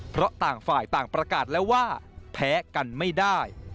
เพราะต่างฝ่ายต่างประกาศแล้วว่าแพ้กันไม่ได้